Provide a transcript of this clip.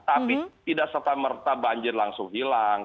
tapi tidak setelah merata banjir langsung hilang